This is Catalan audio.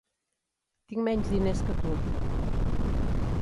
Tinc menys diners que tu.